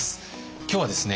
今日はですね